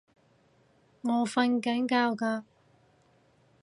我訓緊覺㗎